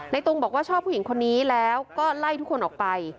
ตุงบอกว่าชอบผู้หญิงคนนี้แล้วก็ไล่ทุกคนออกไป